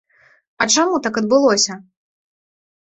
А чаму так адбылося?